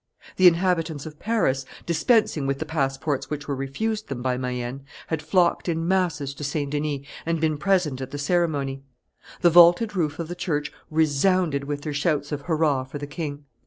The inhabitants of Paris, dispensing with the passports which were refused them by Mayenne, had flocked in masses to St. Denis and been present at the ceremony. The vaulted roof of the church resounded with their shouts of Hurrah for the king!